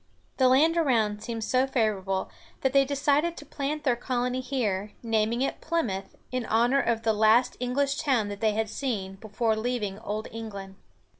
The land around seemed so favorable that they decided to plant their colony here, naming it Plymouth, in honor of the last English town they had seen before leaving old England.